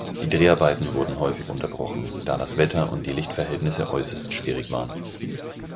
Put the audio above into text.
Die Dreharbeiten wurden häufig unterbrochen, da das Wetter und die Lichtverhältnisse äußerst schwierig waren.